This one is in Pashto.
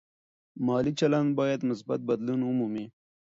مالي چلند باید مثبت بدلون ومومي.